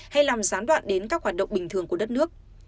hay làm gián đoạn đến các hoạt động bình thường của đất nước